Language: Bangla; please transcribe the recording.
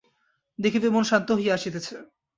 দেখিবে মন শান্ত হইয়া আসিতেছে।